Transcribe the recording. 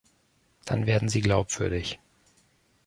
Dann werden sie glaubwürdig.